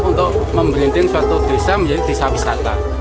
untuk memberhentine suatu desa menjadi desa wisata